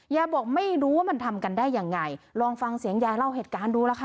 ยายบอกไม่รู้ว่ามันทำกันได้ยังไงลองฟังเสียงยายเล่าเหตุการณ์ดูแล้วค่ะ